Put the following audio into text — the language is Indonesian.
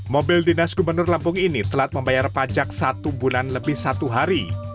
mobil dinas gubernur lampung ini telat membayar pajak satu bulan lebih satu hari